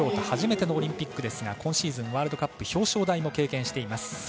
初めてのオリンピックですが今シーズン、ワールドカップ表彰台も経験しています。